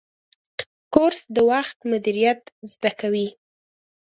کورس د وخت مدیریت زده کوي.